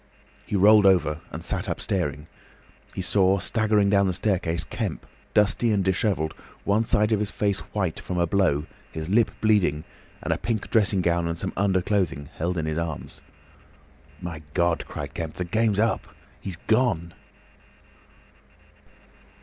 He rolled over and sat up staring. He saw, staggering down the staircase, Kemp, dusty and disheveled, one side of his face white from a blow, his lip bleeding, and a pink dressing gown and some underclothing held in his arms. "My God!" cried Kemp, "the game's up! He's gone!"